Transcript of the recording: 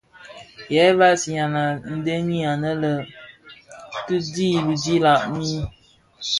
Yë vansina a dhemi annë tii dhi bitilag mii,